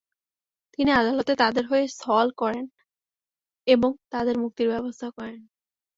তিনি আদালতে তাদের হয়ে সওয়াল করেন এবং তাদের মুক্তির ব্যবস্থা করেন।